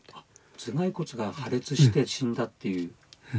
頭蓋骨が破裂して死んだっていう。